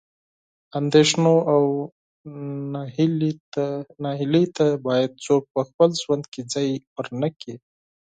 اندېښنو او نهیلۍ ته باید څوک په خپل ژوند کې ځای ورنه کړي.